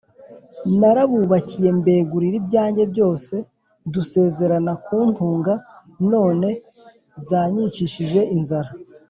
Narabubakiye mbegurira ibyange byose, dusezerana kuntunga, none banyicishije inzara